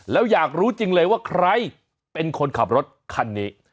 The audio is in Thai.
แล้วอยากรู้จริงเลยว่าใครเป็นคนขับรถคันนี้